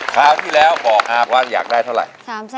คราวที่แล้วบอกอากว่าอยากได้เท่าไหร่